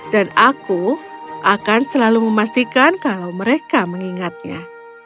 dan aku akan selalu memastikan kalau mereka mengingatnya